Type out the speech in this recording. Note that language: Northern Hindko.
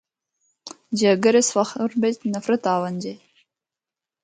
جے اگر اس فخر بچ نفرت آونجے۔